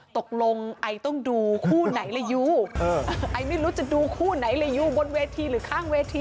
ตกลงไอต้องดูคู่ไหนละยูไอไม่รู้จะดูคู่ไหนละยูบนเวทีหรือข้างเวที